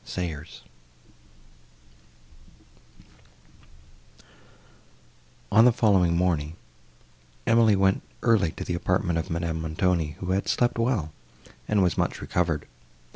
SAYERS On the following morning, Emily went early to the apartment of Madame Montoni, who had slept well, and was much recovered.